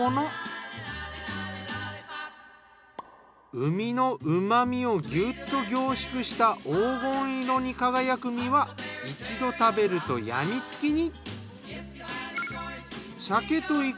海のうま味をぎゅっと凝縮した黄金色に輝く身は一度食べると病みつきに。